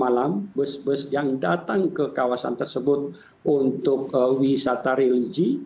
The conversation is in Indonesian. malam bus bus yang datang ke kawasan tersebut untuk wisata religi